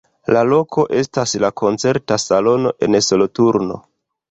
La loko estas la koncerta salono en Soloturno.